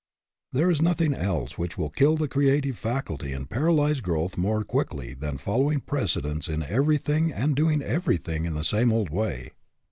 There is nothing else which will kill the creative faculty and paralyze growth more quickly than following precedents in every thing, and doing everything in the same old way.